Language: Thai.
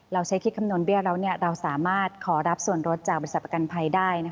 เราใช้คิดคำนวณเบี้ยแล้วเราสามารถขอรับส่วนรถจากบริษัทประกันภัยได้